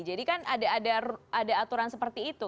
jadi kan ada aturan seperti itu